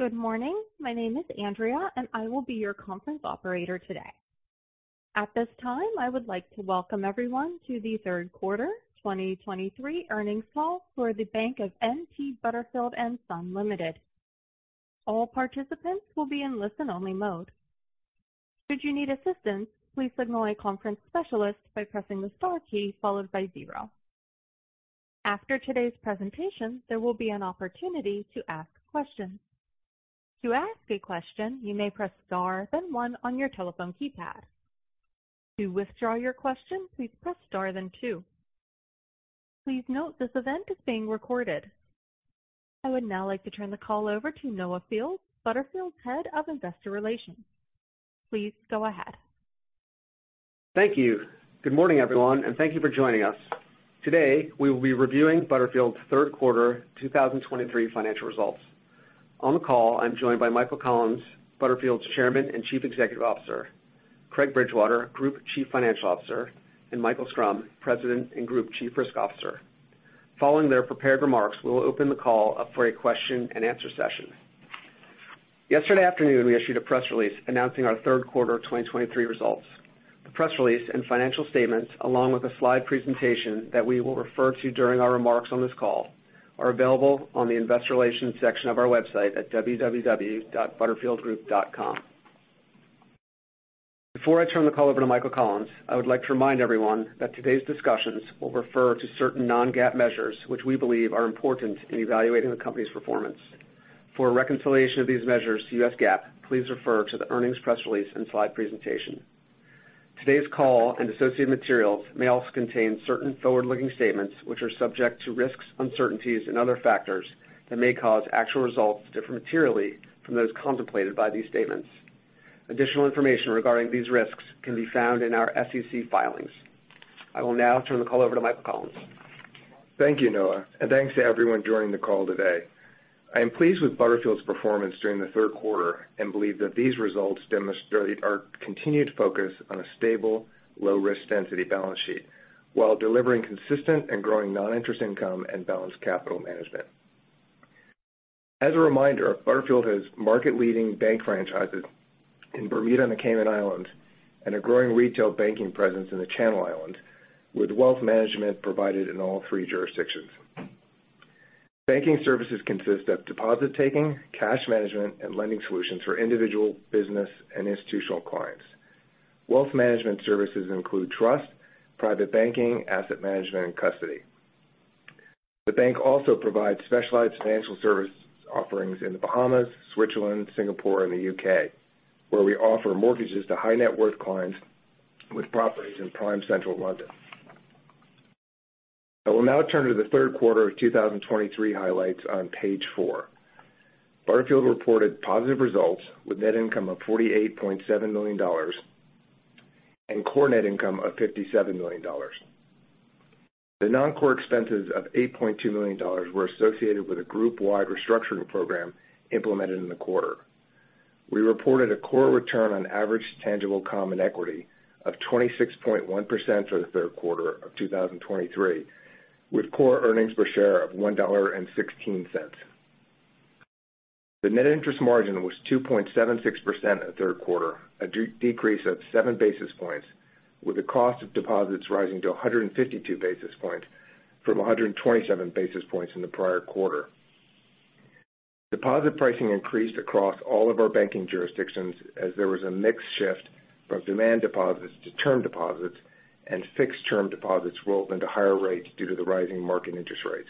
Good morning. My name is Andrea, and I will be your conference operator today. At this time, I would like to welcome everyone to the third quarter 2023 earnings call for The Bank of N.T. Butterfield & Son Limited. All participants will be in listen-only mode. Should you need assistance, please signal a conference specialist by pressing the star key followed by 0. After today's presentation, there will be an opportunity to ask questions. To ask a question, you may press star, then 1 on your telephone keypad. To withdraw your question, please press star then 2. Please note, this event is being recorded. I would now like to turn the call over to Noah Fields, Butterfield's Head of Investor Relations. Please go ahead. Thank you. Good morning, everyone, and thank you for joining us. Today, we will be reviewing Butterfield's third quarter 2023 financial results. On the call, I'm joined by Michael Collins, Butterfield's Chairman and Chief Executive Officer, Craig Bridgewater, Group Chief Financial Officer, and Michael Schrum, President and Group Chief Risk Officer. Following their prepared remarks, we will open the call up for a question-and-answer session. Yesterday afternoon, we issued a press release announcing our third quarter of 2023 results. The press release and financial statements, along with a slide presentation that we will refer to during our remarks on this call, are available on the Investor Relations section of our website at www.butterfieldgroup.com. Before I turn the call over to Michael Collins, I would like to remind everyone that today's discussions will refer to certain non-GAAP measures, which we believe are important in evaluating the company's performance. For a reconciliation of these measures to US GAAP, please refer to the earnings press release and slide presentation. Today's call and associated materials may also contain certain forward-looking statements, which are subject to risks, uncertainties, and other factors that may cause actual results to differ materially from those contemplated by these statements. Additional information regarding these risks can be found in our SEC filings. I will now turn the call over to Michael Collins. Thank you, Noah, and thanks to everyone joining the call today. I am pleased with Butterfield's performance during the third quarter and believe that these results demonstrate our continued focus on a stable, low risk density balance sheet, while delivering consistent and growing non-interest income and balanced capital management. As a reminder, Butterfield has market-leading bank franchises in Bermuda and the Cayman Islands, and a growing retail banking presence in the Channel Islands, with wealth management provided in all three jurisdictions. Banking services consist of deposit taking, cash management, and lending solutions for individual, business, and institutional clients. Wealth management services include trust, private banking, asset management, and custody. The bank also provides specialized financial service offerings in the Bahamas, Switzerland, Singapore, and the U.K., where we offer mortgages to high net worth clients with properties in Prime Central London. I will now turn to the third quarter of 2023 highlights on page 4. Butterfield reported positive results with net income of $48.7 million and core net income of $57 million. The non-core expenses of $8.2 million were associated with a group-wide restructuring program implemented in the quarter. We reported a core return on average tangible common equity of 26.1 for the third quarter of 2023, with core earnings per share of $1.16. The net interest margin was 2.76% at third quarter, a decrease of 7 basis points, with the cost of deposits rising to 152 basis points from 127 basis points in the prior quarter. Deposit pricing increased across all of our banking jurisdictions as there was a mixed shift from demand deposits to term deposits, and fixed-term deposits rolled into higher rates due to the rising market interest rates.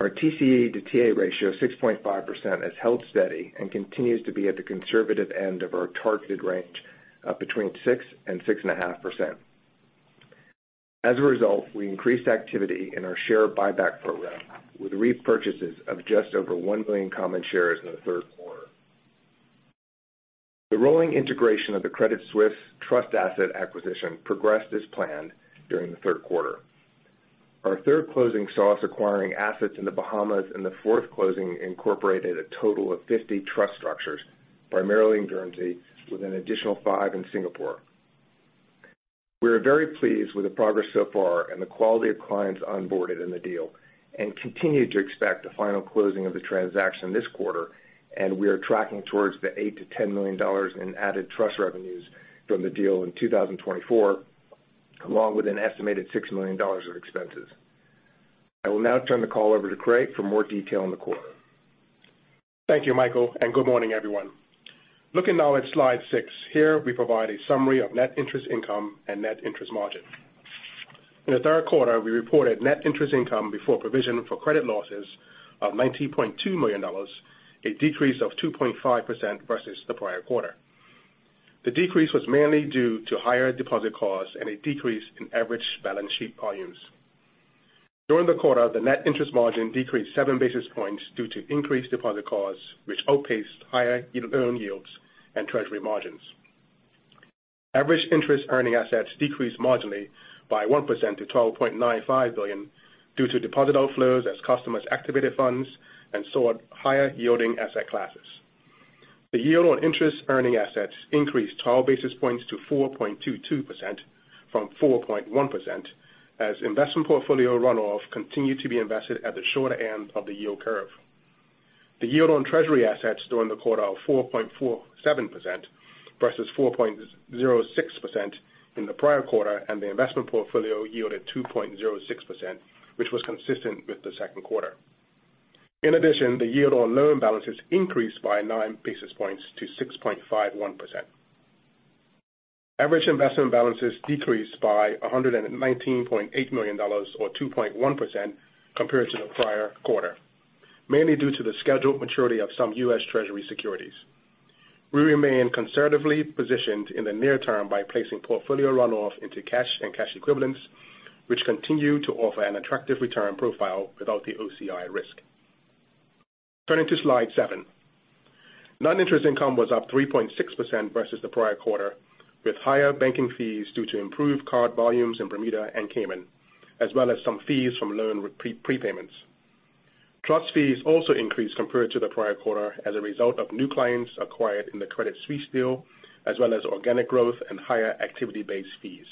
Our TCE to TA ratio of 6.5% has held steady and continues to be at the conservative end of our targeted range of between 6% and 6.5%. As a result, we increased activity in our share buyback program, with repurchases of just over 1 million common shares in the third quarter. The rolling integration of the Credit Suisse Trust asset acquisition progressed as planned during the third quarter. Our third closing saw us acquiring assets in the Bahamas, and the fourth closing incorporated a total of 50 trust structures, primarily in Guernsey, with an additional 5 in Singapore. We are very pleased with the progress so far and the quality of clients onboarded in the deal, and continue to expect a final closing of the transaction this quarter, and we are tracking towards the $8 million-$10 million in added trust revenues from the deal in 2024, along with an estimated $6 million of expenses. I will now turn the call over to Craig for more detail on the quarter. Thank you, Michael, and good morning, everyone. Looking now at slide six, here we provide a summary of net interest income and net interest margin. In the third quarter, we reported net interest income before provision for credit losses of $90.2 million, a decrease of 2.5% versus the prior quarter. The decrease was mainly due to higher deposit costs and a decrease in average balance sheet volumes. During the quarter, the net interest margin decreased 7 basis points due to increased deposit costs, which outpaced higher earning yields and treasury margins. Average interest earning assets decreased marginally by 1% to $12.95 billion due to deposit outflows as customers activated funds and sought higher yielding asset classes.... The yield on interest earning assets increased 12 basis points to 4.22% from 4.1%, as investment portfolio runoff continued to be invested at the shorter end of the yield curve. The yield on treasury assets during the quarter are 4.47% versus 4.06% in the prior quarter, and the investment portfolio yielded 2.06%, which was consistent with the second quarter. In addition, the yield on loan balances increased by 9 basis points to 6.51%. Average investment balances decreased by $119.8 million or 2.1% compared to the prior quarter, mainly due to the scheduled maturity of some U.S. Treasury securities. We remain conservatively positioned in the near term by placing portfolio runoff into cash and cash equivalents, which continue to offer an attractive return profile without the OCI risk. Turning to slide seven. Non-interest income was up 3.6% versus the prior quarter, with higher banking fees due to improved card volumes in Bermuda and Cayman, as well as some fees from loan prepayments. Trust fees also increased compared to the prior quarter as a result of new clients acquired in the Credit Suisse deal, as well as organic growth and higher activity-based fees.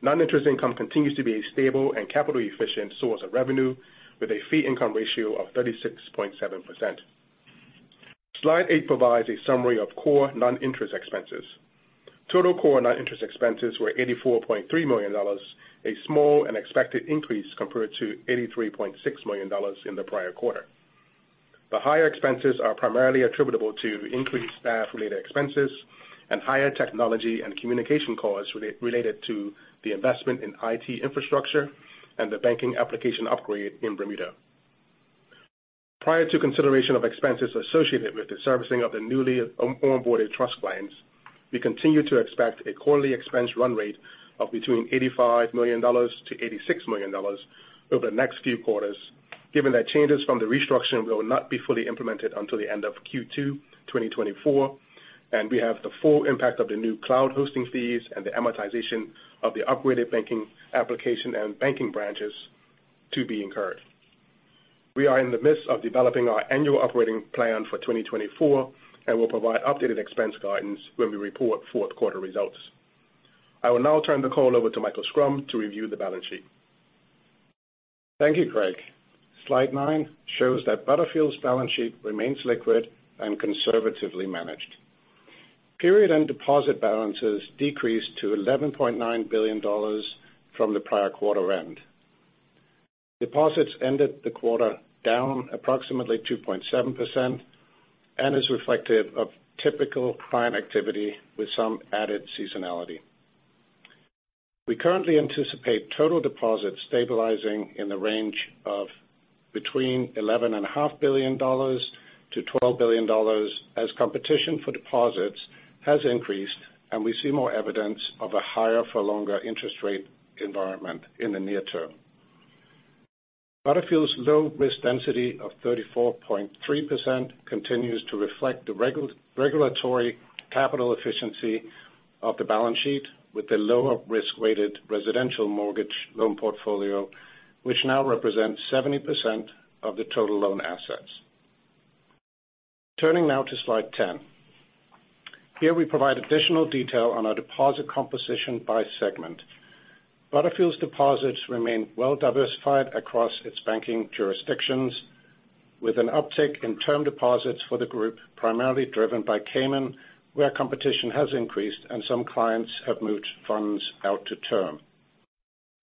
Non-interest income continues to be a stable and capital efficient source of revenue, with a fee income ratio of 36.7%. Slide eight provides a summary of core non-interest expenses. Total core non-interest expenses were $84.3 million, a small and expected increase compared to $83.6 million in the prior quarter. The higher expenses are primarily attributable to increased staff-related expenses and higher technology and communication costs related to the investment in IT infrastructure and the banking application upgrade in Bermuda. Prior to consideration of expenses associated with the servicing of the newly onboarded trust clients, we continue to expect a quarterly expense run rate of between $85 million-$86 million over the next few quarters, given that changes from the restructuring will not be fully implemented until the end of Q2 2024, and we have the full impact of the new cloud hosting fees and the amortization of the upgraded banking application and banking branches to be incurred. We are in the midst of developing our annual operating plan for 2024, and we'll provide updated expense guidance when we report fourth quarter results. I will now turn the call over to Michael Schrum to review the balance sheet. Thank you, Craig. Slide nine shows that Butterfield's balance sheet remains liquid and conservatively managed. Period-end deposit balances decreased to $11.9 billion from the prior quarter end. Deposits ended the quarter down approximately 2.7% and is reflective of typical client activity with some added seasonality. We currently anticipate total deposits stabilizing in the range of between $11.5 billion-$12 billion, as competition for deposits has increased, and we see more evidence of a higher for longer interest rate environment in the near term. Butterfield's low risk density of 34.3% continues to reflect the regulatory capital efficiency of the balance sheet with the lower risk-weighted residential mortgage loan portfolio, which now represents 70% of the total loan assets. Turning now to slide ten. Here we provide additional detail on our deposit composition by segment. Butterfield's deposits remain well diversified across its banking jurisdictions, with an uptick in term deposits for the group, primarily driven by Cayman, where competition has increased and some clients have moved funds out to term.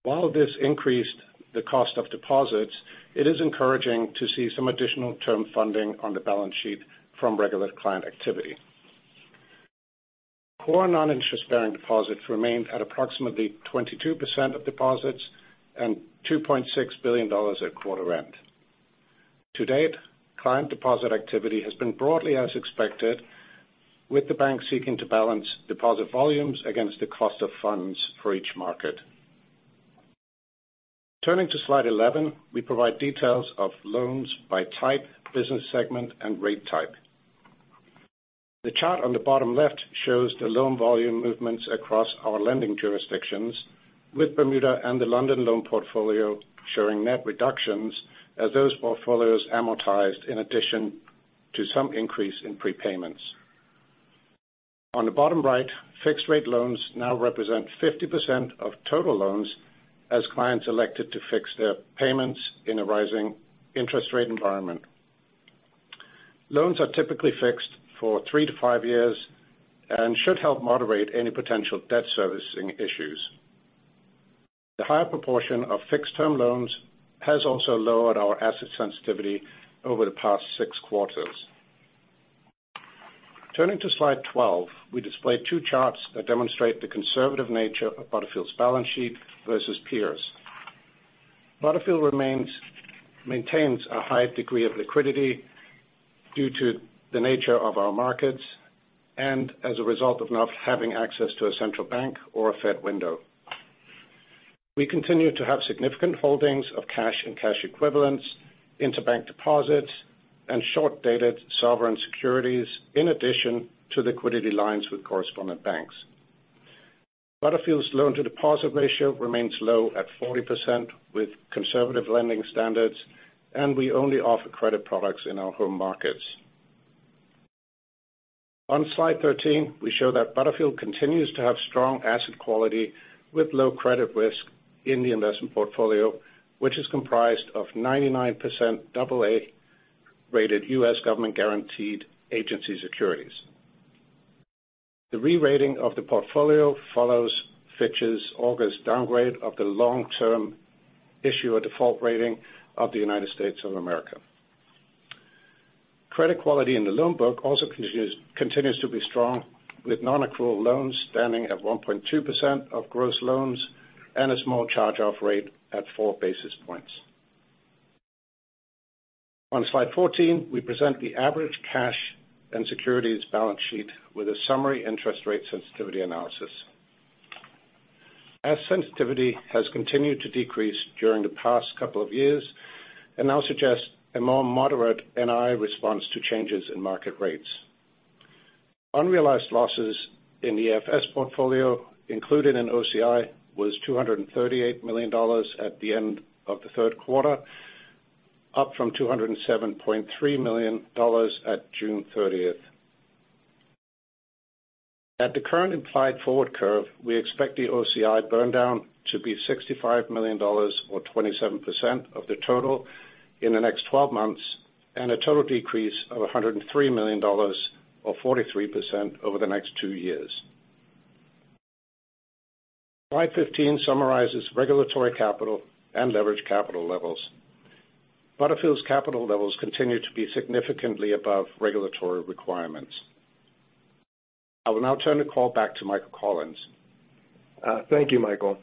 While this increased the cost of deposits, it is encouraging to see some additional term funding on the balance sheet from regular client activity. Core non-interest bearing deposits remained at approximately 22% of deposits and $2.6 billion at quarter end. To date, client deposit activity has been broadly as expected, with the bank seeking to balance deposit volumes against the cost of funds for each market. Turning to slide 11, we provide details of loans by type, business segment, and rate type. The chart on the bottom left shows the loan volume movements across our lending jurisdictions, with Bermuda and the London loan portfolio showing net reductions as those portfolios amortized in addition to some increase in prepayments. On the bottom right, fixed rate loans now represent 50% of total loans as clients elected to fix their payments in a rising interest rate environment. Loans are typically fixed for three to five years and should help moderate any potential debt servicing issues. The higher proportion of fixed-term loans has also lowered our asset sensitivity over the past six quarters. Turning to slide 12, we display two charts that demonstrate the conservative nature of Butterfield's balance sheet versus peers. Butterfield maintains a high degree of liquidity due to the nature of our markets and as a result of not having access to a central bank or a Fed window. We continue to have significant holdings of cash and cash equivalents, interbank deposits, and short-dated sovereign securities, in addition to liquidity lines with correspondent banks. Butterfield's loan-to-deposit ratio remains low at 40% with conservative lending standards, and we only offer credit products in our home markets. On slide 13, we show that Butterfield continues to have strong asset quality with low credit risk in the investment portfolio, which is comprised of 99% AA-rated U.S. government guaranteed agency securities. The re-rating of the portfolio follows Fitch's August downgrade of the long-term issuer default rating of the United States of America. Credit quality in the loan book also continues to be strong, with nonaccrual loans standing at 1.2% of gross loans and a small charge-off rate at 4 basis points. On Slide 14, we present the average cash and securities balance sheet with a summary interest rate sensitivity analysis. As sensitivity has continued to decrease during the past couple of years and now suggests a more moderate NI response to changes in market rates. Unrealized losses in the AFS portfolio, included in OCI, was $238 million at the end of the third quarter, up from $207.3 million at June 30. At the current implied forward curve, we expect the OCI burn down to be $65 million or 27% of the total in the next twelve months, and a total decrease of $103 million, or 43%, over the next two years. Slide 15 summarizes regulatory capital and leverage capital levels. Butterfield's capital levels continue to be significantly above regulatory requirements. I will now turn the call back to Michael Collins. Thank you, Michael.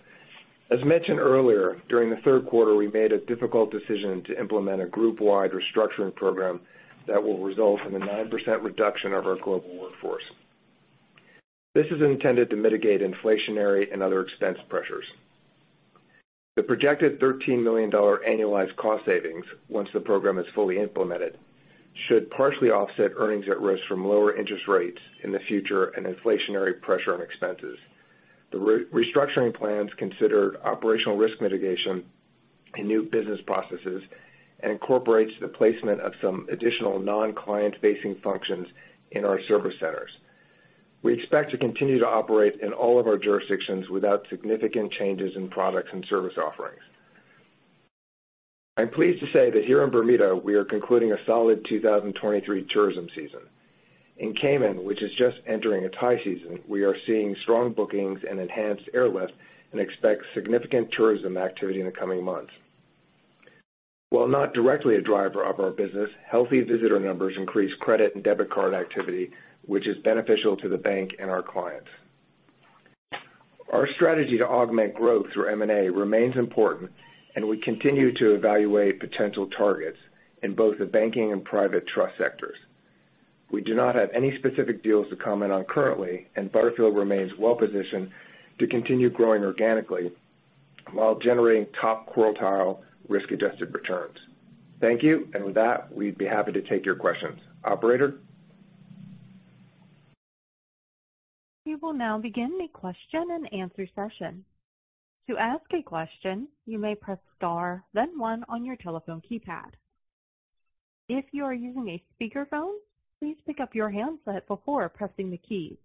As mentioned earlier, during the third quarter, we made a difficult decision to implement a group-wide restructuring program that will result in a 9% reduction of our global workforce. This is intended to mitigate inflationary and other expense pressures. The projected $13 million annualized cost savings, once the program is fully implemented, should partially offset earnings at risk from lower interest rates in the future and inflationary pressure on expenses. The restructuring plans consider operational risk mitigation and new business processes and incorporates the placement of some additional non-client-facing functions in our service centers. We expect to continue to operate in all of our jurisdictions without significant changes in products and service offerings. I'm pleased to say that here in Bermuda, we are concluding a solid 2023 tourism season. In Cayman, which is just entering its high season, we are seeing strong bookings and enhanced airlift and expect significant tourism activity in the coming months. While not directly a driver of our business, healthy visitor numbers increase credit and debit card activity, which is beneficial to the bank and our clients. Our strategy to augment growth through M&A remains important, and we continue to evaluate potential targets in both the banking and private trust sectors. We do not have any specific deals to comment on currently, and Butterfield remains well positioned to continue growing organically while generating top quartile risk-adjusted returns. Thank you. And with that, we'd be happy to take your questions. Operator? We will now begin the question-and-answer session. To ask a question, you may press star, then one on your telephone keypad. If you are using a speakerphone, please pick up your handset before pressing the key.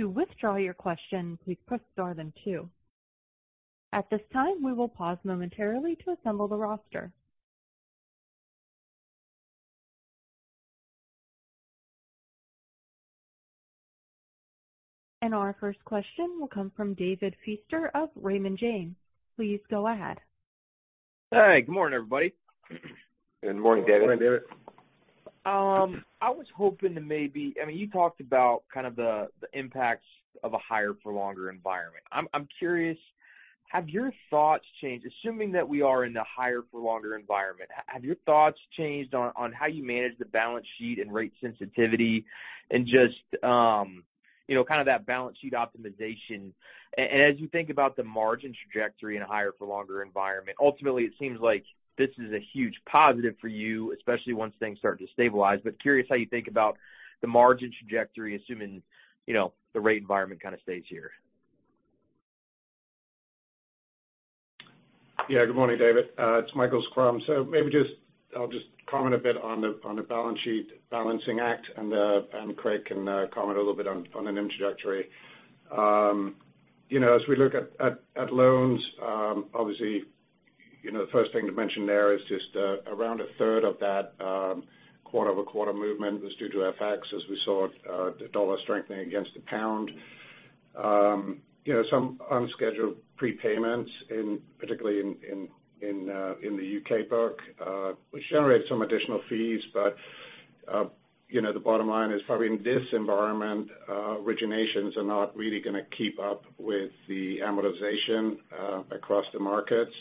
To withdraw your question, please press star then two. At this time, we will pause momentarily to assemble the roster. Our first question will come from David Feaster of Raymond James. Please go ahead. Hey, good morning, everybody. Good morning, David. Good morning, David. I was hoping to maybe—I mean, you talked about kind of the impacts of a higher for longer environment. I'm curious, have your thoughts changed? Assuming that we are in the higher for longer environment, have your thoughts changed on how you manage the balance sheet and rate sensitivity and just, you know, kind of that balance sheet optimization? And as you think about the margin trajectory in a higher for longer environment, ultimately, it seems like this is a huge positive for you, especially once things start to stabilize. But curious how you think about the margin trajectory, assuming, you know, the rate environment kind of stays here. Yeah. Good morning, David. It's Michael Schrum. So maybe just—I'll just comment a bit on the balance sheet balancing act, and Craig can comment a little bit on an introductory. You know, as we look at loans, obviously, you know, the first thing to mention there is just around a third of that quarter-over-quarter movement was due to FX, as we saw the dollar strengthening against the pound. You know, some unscheduled prepayments particularly in the U.K. book, which generated some additional fees. You know, the bottom line is, probably in this environment, originations are not really gonna keep up with the amortization, across the markets,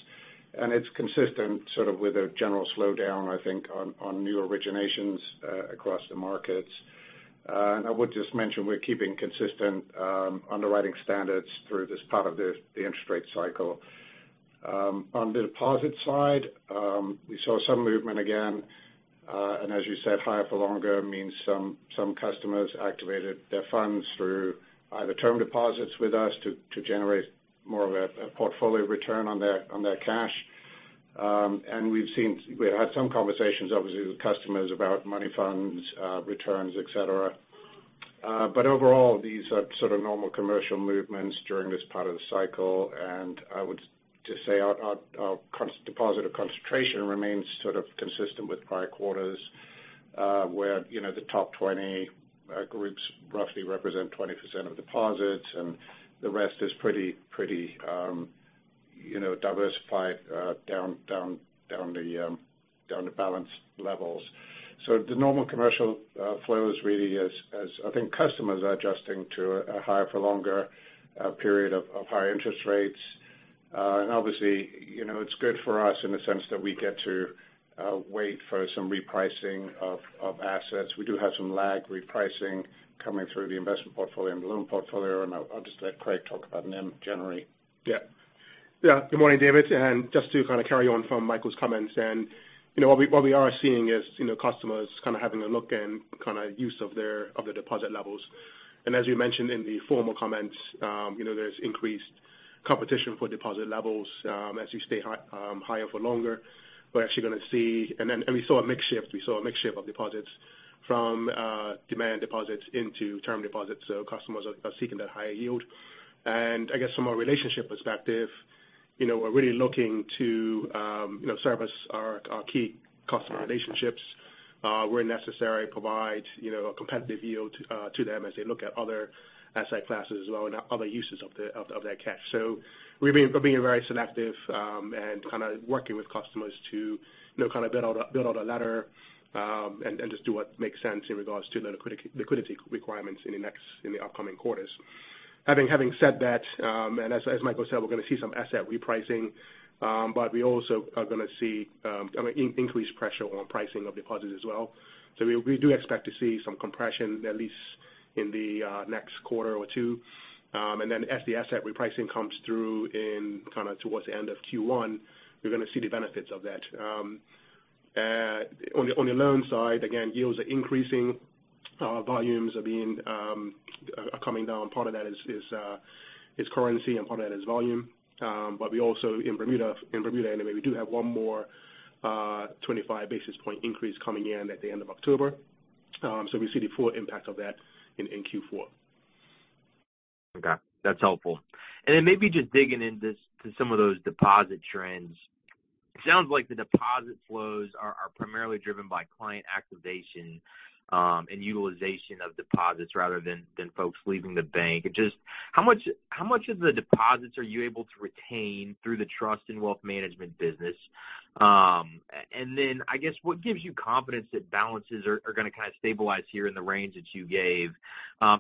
and it's consistent sort of with a general slowdown, I think, on new originations, across the markets. I would just mention, we're keeping consistent underwriting standards through this part of the interest rate cycle. On the deposit side, we saw some movement again, and as you said, higher for longer means some customers activated their funds through either term deposits with us to generate more of a portfolio return on their cash. And we've seen. We've had some conversations, obviously, with customers about money funds returns, et cetera. But overall, these are sort of normal commercial movements during this part of the cycle. I would just say our customer deposit concentration remains sort of consistent with prior quarters, where, you know, the top 20 groups roughly represent 20% of deposits, and the rest is pretty, you know, diversified down the balance levels. So the normal commercial flows really is as I think customers are adjusting to a higher for longer period of high interest rates. And obviously, you know, it's good for us in the sense that we get to wait for some repricing of assets. We do have some lag repricing coming through the investment portfolio and the loan portfolio, and I'll just let Craig talk about NIM generally. Yeah. Yeah. Good morning, David. And just to kind of carry on from Michael's comments, and, you know, what we, what we are seeing is, you know, customers kind of having a look and kind of use of their, of their deposit levels. And as you mentioned in the formal comments, you know, there's increased competition for deposit levels, as you stay high, higher for longer. We're actually gonna see... And then, and we saw a mix shift. We saw a mix shift of deposits from demand deposits into term deposits, so customers are seeking that higher yield. And I guess from a relationship perspective, you know, we're really looking to service our key customer relationships, where necessary, provide a competitive yield to them as they look at other asset classes as well, and other uses of their cash. So we've been being very selective, and kind of working with customers to, you know, kind of build out a ladder, and just do what makes sense in regards to the liquidity requirements in the upcoming quarters. Having said that, and as Michael said, we're gonna see some asset repricing, but we also are gonna see, I mean, increased pressure on pricing of deposits as well. So we do expect to see some compression, at least in the next quarter or two. And then as the asset repricing comes through in kind of towards the end of Q1, we're gonna see the benefits of that. On the loan side, again, yields are increasing, volumes are coming down. Part of that is currency, and part of that is volume. But we also in Bermuda, anyway, we do have one more 25 basis point increase coming in at the end of October. So we see the full impact of that in Q4. Okay, that's helpful. And then maybe just digging into some of those deposit trends. Sounds like the deposit flows are primarily driven by client activation and utilization of deposits rather than folks leaving the bank. Just how much of the deposits are you able to retain through the Trust and Wealth management business? And then, I guess, what gives you confidence that balances are gonna kind of stabilize here in the range that you gave?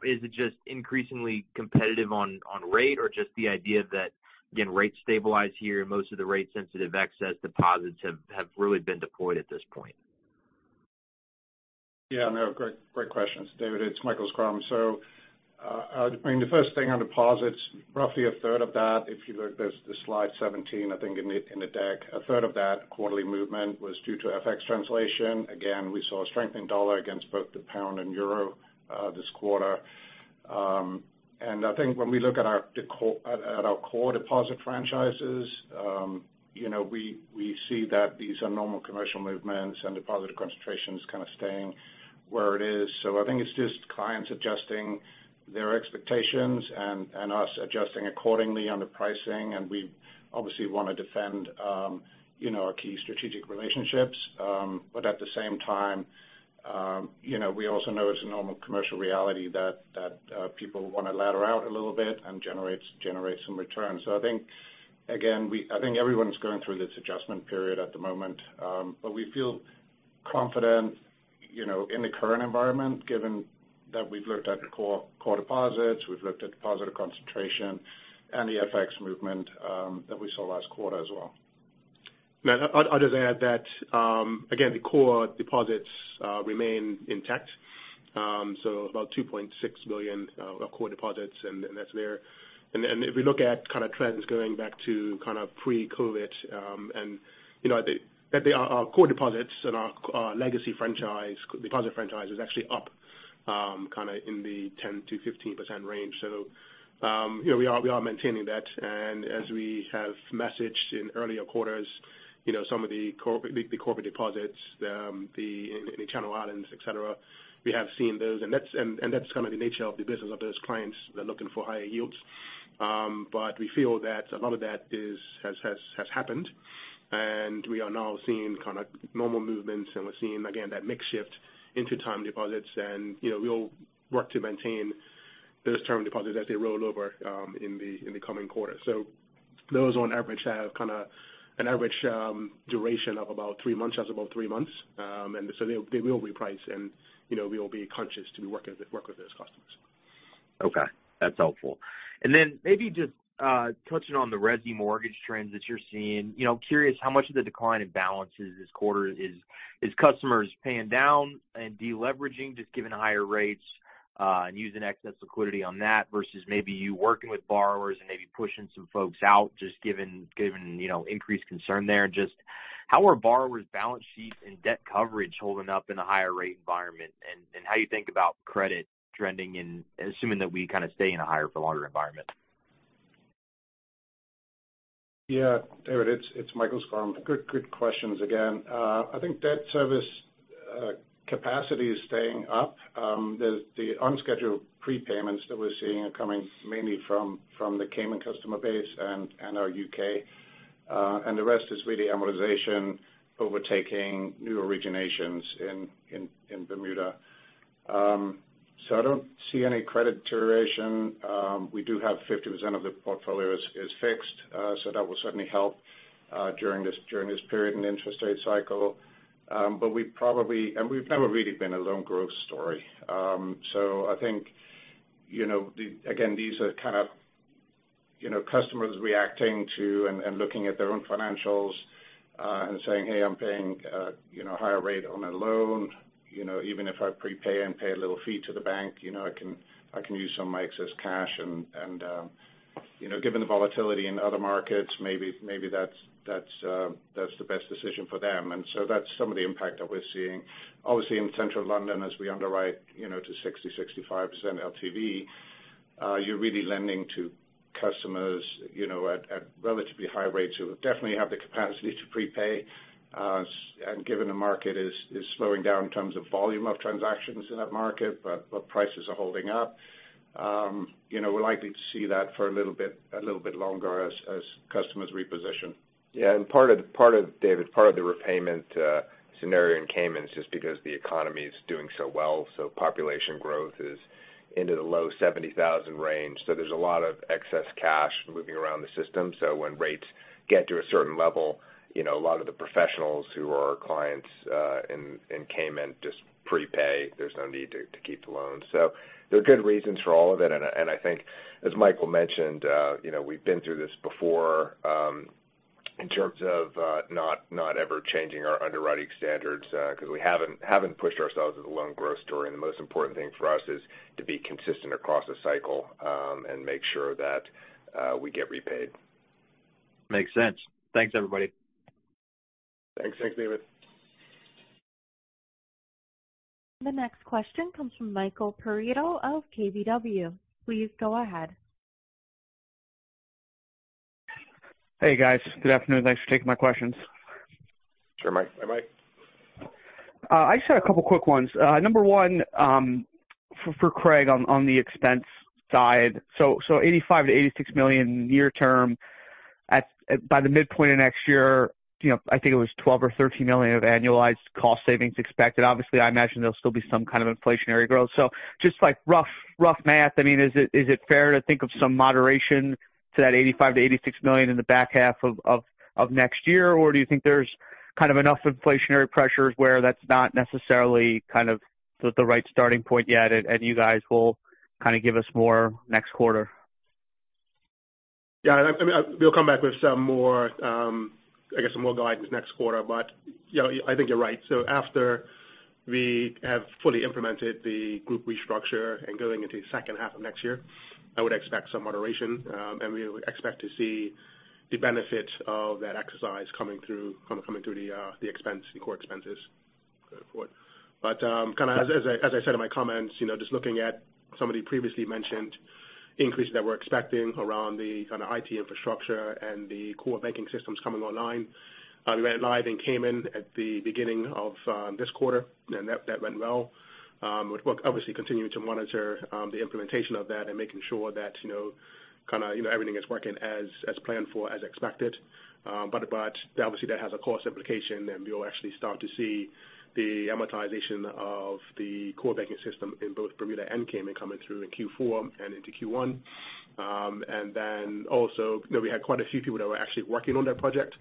Is it just increasingly competitive on rate, or just the idea that, again, rates stabilize here, and most of the rate-sensitive excess deposits have really been deployed at this point? Yeah, no, great, great questions, David. It's Michael Schrum. So, I mean, the first thing on deposits, roughly a third of that, if you look, there's the slide 17, I think, in the deck. A third of that quarterly movement was due to FX translation. Again, we saw a strengthening US dollar against both the pound and euro this quarter. And I think when we look at our core deposit franchises, you know, we see that these are normal commercial movements, and deposit concentration is kind of staying where it is. So I think it's just clients adjusting their expectations and us adjusting accordingly on the pricing. And we obviously want to defend, you know, our key strategic relationships. But at the same time, you know, we also know it's a normal commercial reality that people wanna ladder out a little bit and generate some returns. So I think, again, we—I think everyone's going through this adjustment period at the moment, but we feel confident, you know, in the current environment, given that we've looked at the core core deposits, we've looked at deposit concentration and the FX movement that we saw last quarter as well. And I'd just add that, again, the core deposits remain intact. So about $2.6 billion of core deposits, and that's there. And then, if we look at kind of trends going back to kind of pre-COVID, and, you know, at the, our core deposits and our legacy franchise deposit franchise is actually up, kind of in the 10%-15% range. So, you know, we are maintaining that. And as we have messaged in earlier quarters, you know, some of the corporate, the corporate deposits, in the Channel Islands, et cetera, we have seen those. And that's kind of the nature of the business of those clients. They're looking for higher yields. But we feel that a lot of that is, has happened, and we are now seeing kind of normal movements, and we're seeing again, that mix shift into time deposits. And, you know, we'll work to maintain those term deposits as they roll over, in the coming quarters. So those on average have kind of an average, duration of about three months. And so they will reprice and, you know, we will be conscious to work with those customers. Okay, that's helpful. And then maybe just touching on the resi mortgage trends that you're seeing. You know, I'm curious how much of the decline in balances this quarter is customers paying down and deleveraging, just given higher rates? And using excess liquidity on that versus maybe you working with borrowers and maybe pushing some folks out, just given, you know, increased concern there. Just how are borrowers' balance sheets and debt coverage holding up in a higher rate environment? And how you think about credit trending and assuming that we kind of stay in a higher for longer environment? Yeah, David, it's Michael Schrum. Good questions again. I think debt service capacity is staying up. The unscheduled prepayments that we're seeing are coming mainly from the Cayman customer base and our U.K.. And the rest is really amortization overtaking new originations in Bermuda. So I don't see any credit deterioration. We do have 50% of the portfolio is fixed, so that will certainly help during this period in the interest rate cycle. But we've probably... and we've never really been a loan growth story. So I think, you know, again, these are kind of, you know, customers reacting to and looking at their own financials and saying, "Hey, I'm paying, you know, a higher rate on a loan. You know, even if I prepay and pay a little fee to the bank, you know, I can use some of my excess cash." And you know, given the volatility in other markets, maybe that's the best decision for them. And so that's some of the impact that we're seeing. Obviously, in Central London, as we underwrite, you know, to 60-65% LTV, you're really lending to customers, you know, at relatively high rates who definitely have the capacity to prepay. And given the market is slowing down in terms of volume of transactions in that market, but prices are holding up, you know, we're likely to see that for a little bit longer as customers reposition. Yeah, and part of, part of David, part of the repayment scenario in Cayman is because the economy is doing so well, so population growth is into the low 70,000 range. So there's a lot of excess cash moving around the system. So when rates get to a certain level, you know, a lot of the professionals who are our clients in Cayman just prepay. There's no need to keep the loans. So there are good reasons for all of it. And I think, as Michael mentioned, you know, we've been through this before, in terms of not ever changing our underwriting standards, because we haven't pushed ourselves as a loan growth story. And the most important thing for us is to be consistent across the cycle, and make sure that we get repaid. Makes sense. Thanks, everybody. Thanks. Thanks, David. The next question comes from Michael Perito of KBW. Please go ahead. Hey, guys. Good afternoon. Thanks for taking my questions. Sure, Mike. Hi, Mike. I just had a couple quick ones. Number one, for Craig on the expense side. So $85 million-$86 million year term at by the midpoint of next year, you know, I think it was $12 million or $13 million of annualized cost savings expected. Obviously, I imagine there'll still be some kind of inflationary growth. So just like rough math, I mean, is it fair to think of some moderation to that $85 million-$86 million in the back half of next year? Or do you think there's kind of enough inflationary pressures where that's not necessarily kind of the right starting point yet, and you guys will kind of give us more next quarter? Yeah, I mean, we'll come back with some more, I guess, more guidance next quarter. But, you know, I think you're right. So after we have fully implemented the group restructure and going into the second half of next year, I would expect some moderation. And we would expect to see the benefits of that exercise coming through, kind of coming through the, the expense, the core expenses going forward. But, kind of as I, as I said in my comments, you know, just looking at some of the previously mentioned increases that we're expecting around the kind of IT infrastructure and the core banking systems coming online. We went live in Cayman at the beginning of, this quarter, and that, that went well. But we're obviously continuing to monitor the implementation of that and making sure that, you know, kind of, you know, everything is working as planned for, as expected. But obviously that has a cost implication, and we'll actually start to see the amortization of the core banking system in both Bermuda and Cayman coming through in Q4 and into Q1. And then also, you know, we had quite a few people that were actually working on that project.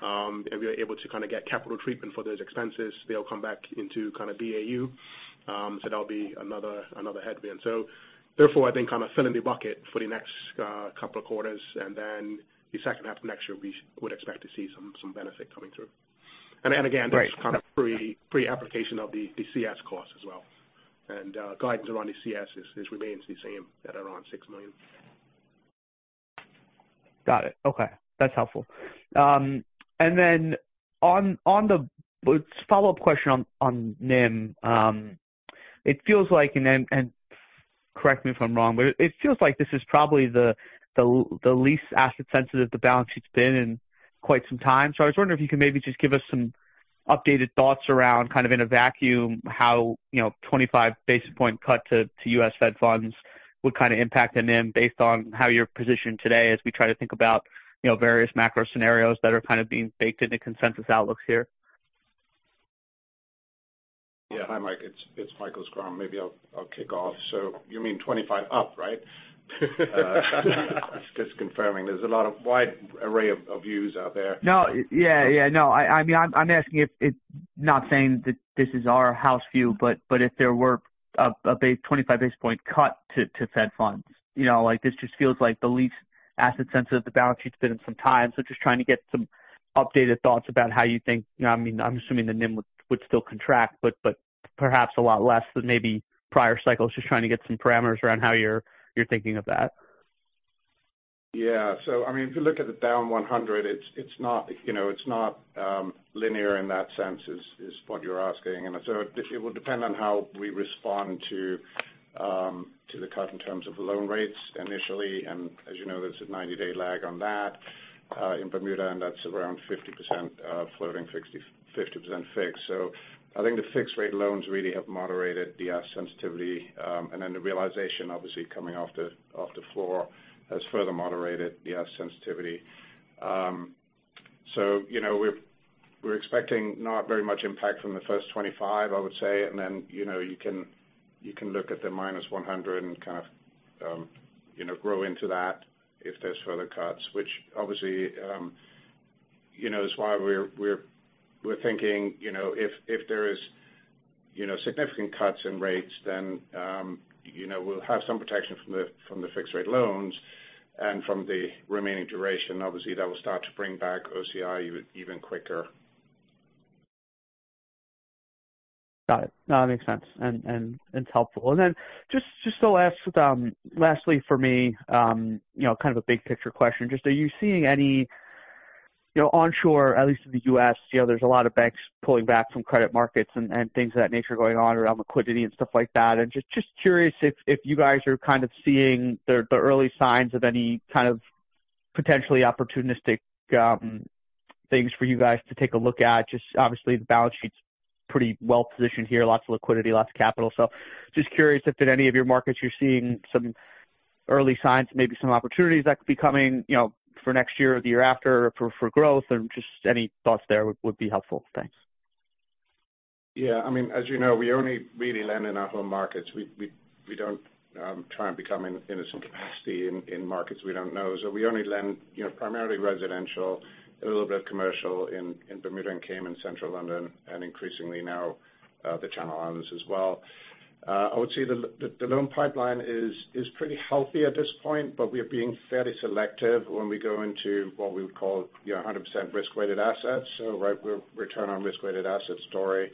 And we were able to kind of get capital treatment for those expenses. They'll come back into kind of BAU, so that'll be another headwind. So therefore, I think kind of filling the bucket for the next couple of quarters, and then the second half of next year, we would expect to see some benefit coming through. And again- Right. Kind of pre-application of the CS costs as well. Guidance around the CS remains the same at around $6 million. Got it. Okay, that's helpful. And then on the follow-up question on NIM. It feels like, and correct me if I'm wrong, but it feels like this is probably the least asset sensitive the balance sheet's been in quite some time. So I was wondering if you could maybe just give us some updated thoughts around, kind of in a vacuum, how, you know, 25 basis point cut to U.S. Fed funds would kind of impact NIM based on how you're positioned today, as we try to think about, you know, various macro scenarios that are kind of being baked into consensus outlooks here. Yeah. Hi, Mike, it's Michael Schrum. Maybe I'll kick off. So you mean 25 up, right? Just confirming. There's a lot of wide array of views out there. No. Yeah, yeah. No, I mean, I'm asking if not saying that this is our house view, but if there were a 25 basis point cut to Fed funds, you know, like, this just feels like the least asset sensitive the balance sheet's been in some time. So just trying to get some updated thoughts about how you think. I mean, I'm assuming the NIM would still contract, but perhaps a lot less than maybe prior cycles. Just trying to get some parameters around how you're thinking of that. Yeah. So I mean, if you look at the down 100, it's, it's not, you know, it's not linear in that sense, is, is what you're asking. And so it, it will depend on how we respond to to the cut in terms of loan rates initially. And as you know, there's a 90-day lag on that, in Bermuda, and that's around 50% floating, 60-50% fixed. So I think the fixed rate loans really have moderated the asset sensitivity. And then the realization obviously coming off the, off the floor has further moderated the asset sensitivity. So you know, we're, we're expecting not very much impact from the first 25, I would say. And then, you know, you can look at the -100 and kind of grow into that if there's further cuts, which obviously is why we're thinking, you know, if there is significant cuts in rates, then, you know, we'll have some protection from the fixed rate loans and from the remaining duration. Obviously, that will start to bring back OCI even quicker. Got it. No, that makes sense and helpful. And then just the last, lastly for me, you know, kind of a big picture question. Just are you seeing any, you know, onshore, at least in the U.S., you know, there's a lot of banks pulling back from credit markets and things of that nature going on around liquidity and stuff like that. I'm just curious if you guys are kind of seeing the early signs of any kind of potentially opportunistic things for you guys to take a look at. Just obviously, the balance sheet's pretty well positioned here. Lots of liquidity, lots of capital. Just curious if in any of your markets you're seeing some early signs, maybe some opportunities that could be coming, you know, for next year or the year after, for growth, and just any thoughts there would be helpful? Thanks. Yeah. I mean, as you know, we only really lend in our home markets. We don't try and become in some capacity in markets we don't know. So we only lend, you know, primarily residential, a little bit of commercial in Bermuda and Cayman, Central London, and increasingly now the Channel Islands as well. I would say the loan pipeline is pretty healthy at this point, but we are being fairly selective when we go into what we would call, you know, 100% risk-weighted assets. So right, we're return on risk-weighted assets story.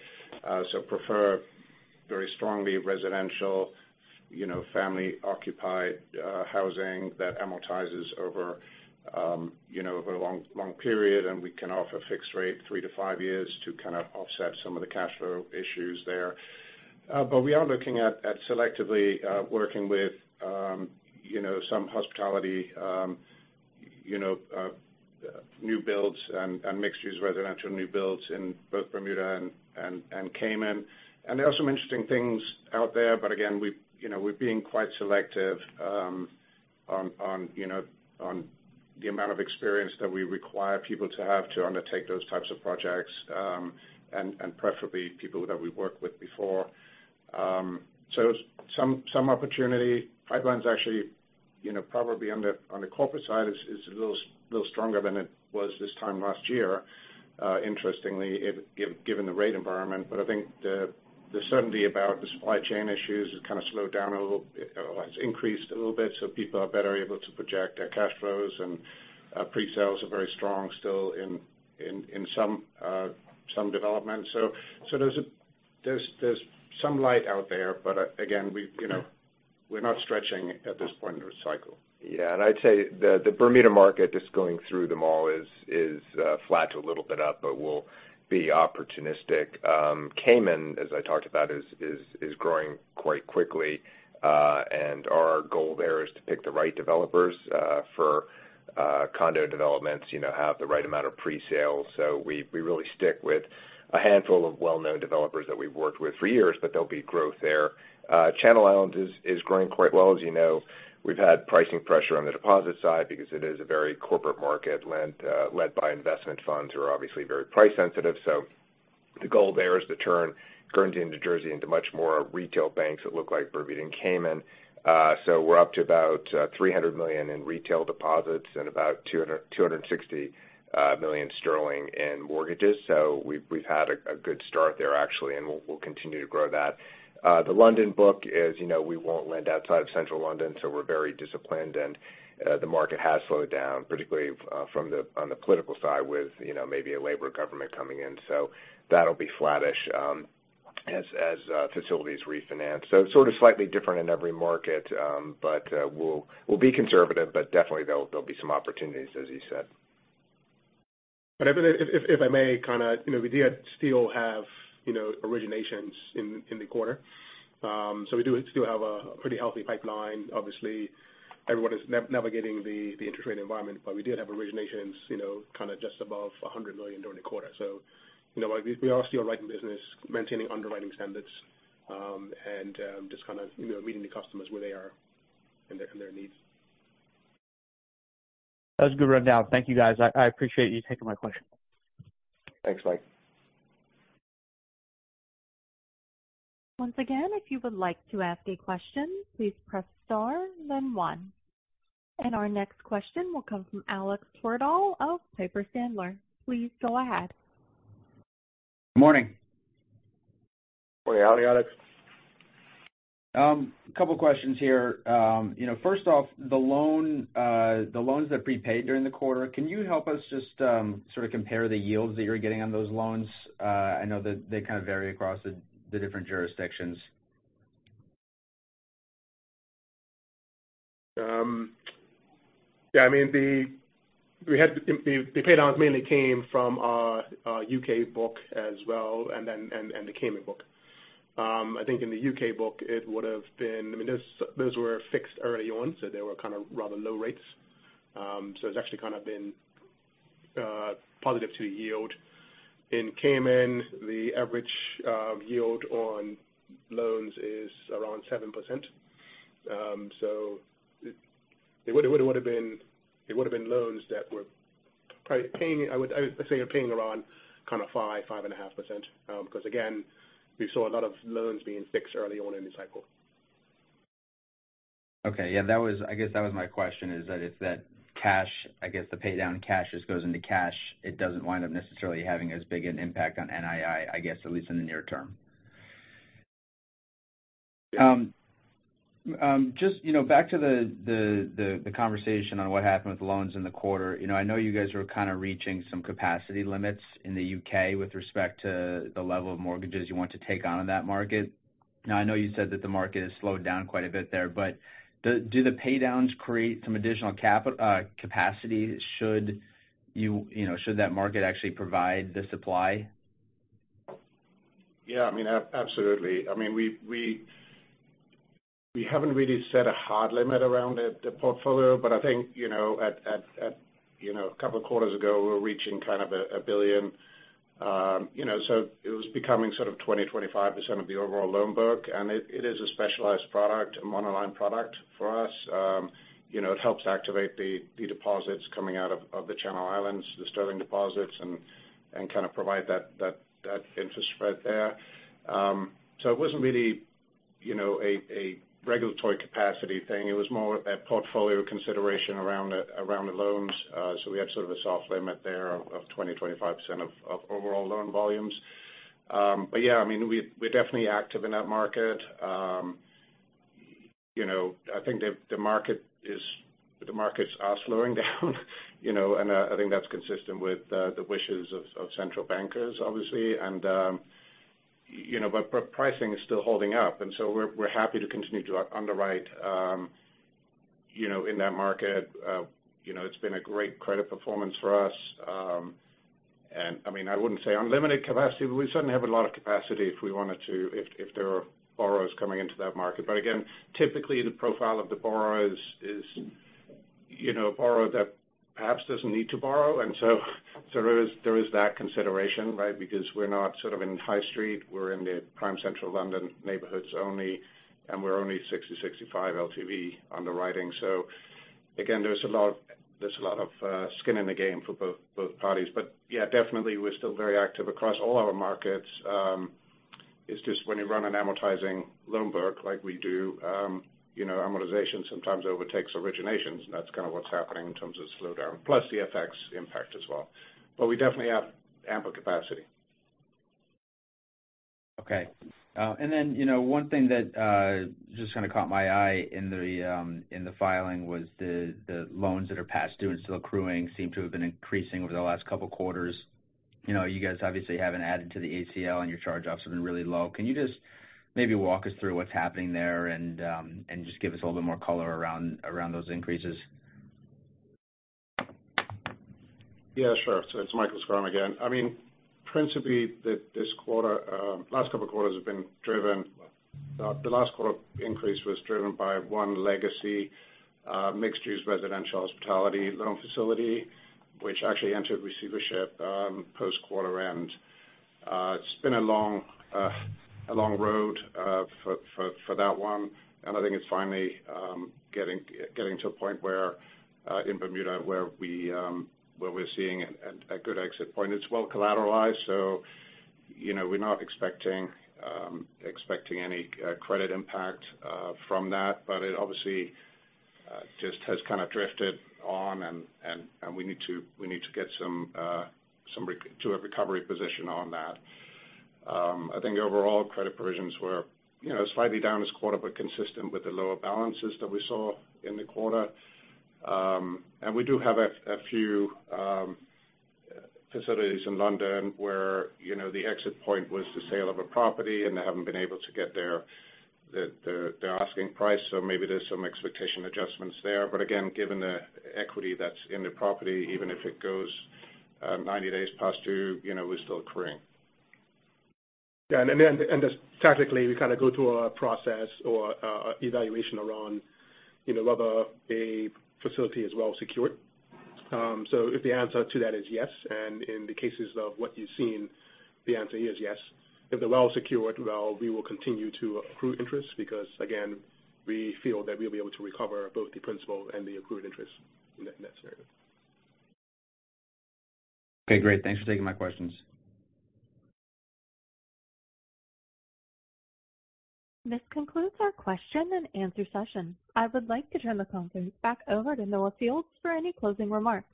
So prefer very strongly residential, you know, family-occupied housing that amortizes over, you know, over a long, long period. And we can offer fixed rate 3-5 years to kind of offset some of the cash flow issues there. But we are looking at selectively working with, you know, some hospitality, you know, new builds and mixed use residential new builds in both Bermuda and Cayman. And there are some interesting things out there. But again, we, you know, we're being quite selective on, you know, on the amount of experience that we require people to have to undertake those types of projects, and preferably people that we've worked with before. So some opportunity pipelines, actually, you know, probably on the corporate side is a little stronger than it was this time last year, interestingly, given the rate environment. But I think the certainty about the supply chain issues has kind of slowed down a little, well, it's increased a little bit, so people are better able to project their cash flows, and presales are very strong still in some developments. So there's some light out there, but again, we, you know, we're not stretching at this point in the cycle. Yeah, and I'd say the Bermuda market, just going through them all is flat to a little bit up, but we'll be opportunistic. Cayman, as I talked about, is growing quite quickly. And our goal there is to pick the right developers for condo developments, you know, have the right amount of presale. So we really stick with a handful of well-known developers that we've worked with for years, but there'll be growth there. Channel Islands is growing quite well. As you know, we've had pricing pressure on the deposit side because it is a very corporate market led by investment funds, who are obviously very price sensitive. So the goal there is to turn Guernsey into Jersey into much more retail banks that look like Bermuda and Cayman. So we're up to about 300 million in retail deposits and about 260 million sterling in mortgages. So we've had a good start there actually, and we'll continue to grow that. The London book is, you know, we won't lend outside of Central London, so we're very disciplined. And the market has slowed down, particularly from the, on the political side, with, you know, maybe a Labour government coming in. So that'll be flattish, as facilities refinance. So sort of slightly different in every market, but we'll be conservative, but definitely there'll be some opportunities, as you said. But if I may kind of... You know, we did still have, you know, originations in the quarter. So we do still have a pretty healthy pipeline. Obviously, everyone is navigating the interest rate environment, but we did have originations, you know, kind of just above $100 million during the quarter. So, you know, we are still writing business, maintaining underwriting standards, and just kind of, you know, meeting the customers where they are and their needs. That's a good rundown. Thank you, guys. I appreciate you taking my question. Thanks, Mike. Once again, if you would like to ask a question, please press star, then one. Our next question will come from Alex Twerdahl of Piper Sandler. Please go ahead. Morning. How are you, Alex? Couple questions here. You know, first off, the loan, the loans that prepaid during the quarter, can you help us just, sort of compare the yields that you're getting on those loans? I know that they kind of vary across the different jurisdictions. Yeah, I mean, the paydowns mainly came from our U.K. book as well, and then the Cayman book. I think in the U.K. book, it would have been... I mean, those were fixed early on, so they were kind of rather low rates. So it's actually kind of been positive to yield. In Cayman, the average yield on loans is around 7%. So it would have been-- it would have been loans that were probably paying, I would say, are paying around kind of five and a half percent, because again, we saw a lot of loans being fixed early on in the cycle. Okay. Yeah, I guess that was my question, is that if that cash, I guess the paydown cash just goes into cash, it doesn't wind up necessarily having as big an impact on NII, I guess, at least in the near term? Yeah. Just, you know, back to the conversation on what happened with loans in the quarter. You know, I know you guys were kind of reaching some capacity limits in the U.K. with respect to the level of mortgages you want to take on in that market. Now, I know you said that the market has slowed down quite a bit there, but do the paydowns create some additional capacity, should you, you know, should that market actually provide the supply? Yeah, I mean, absolutely. I mean, we haven't really set a hard limit around the portfolio, but I think, you know, at a couple of quarters ago, we were reaching kind of $1 billion. You know, so it was becoming sort of 20-25% of the overall loan book, and it is a specialized product, a monoline product for us. You know, it helps activate the deposits coming out of the Channel Islands, the sterling deposits, and kind of provide that interest spread there. So it wasn't really, you know, a regulatory capacity thing. It was more a portfolio consideration around the loans. So we had sort of a soft limit there of 20%-25% of overall loan volumes. But yeah, I mean, we're definitely active in that market. You know, I think the market is. The markets are slowing down, you know, and I think that's consistent with the wishes of central bankers, obviously. But pricing is still holding up, and so we're happy to continue to underwrite in that market. You know, it's been a great credit performance for us. And I mean, I wouldn't say unlimited capacity, but we certainly have a lot of capacity if we wanted to, if there are borrowers coming into that market. But again, typically, the profile of the borrower is, you know, a borrower that perhaps doesn't need to borrow, and so there is that consideration, right? Because we're not sort of in high street, we're in the Prime Central London neighborhoods only, and we're only 60-65 LTV underwriting. So again, there's a lot of, there's a lot of skin in the game for both, both parties. But yeah, definitely we're still very active across all our markets. It's just when you run an amortizing loan book like we do, you know, amortization sometimes overtakes originations, and that's kind of what's happening in terms of slowdown, plus the FX impact as well. But we definitely have ample capacity. Okay. And then, you know, one thing that just kind of caught my eye in the filing was the loans that are past due and still accruing seem to have been increasing over the last couple quarters. You know, you guys obviously haven't added to the ACL, and your charge-offs have been really low. Can you just maybe walk us through what's happening there and just give us a little bit more color around those increases? Yeah, sure. So it's Michael Schrum again. I mean, principally, this quarter, last couple of quarters have been driven. The last quarter increase was driven by one legacy mixed-use residential hospitality loan facility, which actually entered receivership post-quarter end. It's been a long, a long road for that one, and I think it's finally getting to a point where in Bermuda, where we're seeing a good exit point. It's well collateralized, so, you know, we're not expecting expecting any credit impact from that, but it obviously just has kind of drifted on, and we need to get some recovery position on that. I think overall credit provisions were, you know, slightly down this quarter, but consistent with the lower balances that we saw in the quarter. And we do have a few facilities in London where, you know, the exit point was the sale of a property, and they haven't been able to get their asking price, so maybe there's some expectation adjustments there. But again, given the equity that's in the property, even if it goes 90 days past due, you know, we're still accruing. Yeah, and then just tactically, we kind of go through a process or evaluation around, you know, whether a facility is well secured. So if the answer to that is yes, and in the cases of what you've seen, the answer here is yes. If they're well secured, well, we will continue to accrue interest, because, again, we feel that we'll be able to recover both the principal and the accrued interest in that scenario. Okay, great. Thanks for taking my questions. This concludes our question and answer session. I would like to turn the conference back over to Noah Fields for any closing remarks.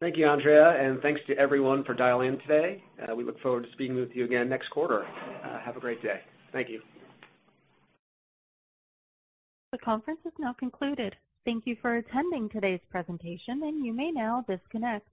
Thank you, Andrea, and thanks to everyone for dialing in today. We look forward to speaking with you again next quarter. Have a great day. Thank you. The conference is now concluded. Thank you for attending today's presentation, and you may now disconnect.